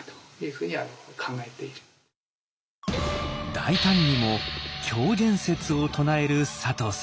大胆にも狂言説を唱える佐藤さん。